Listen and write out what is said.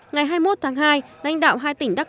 ngày hai mươi một tháng hai lãnh đạo hai tỉnh đắk lắc